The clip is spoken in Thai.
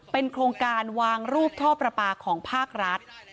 โครงการวางรูปท่อประปาของภาครัฐ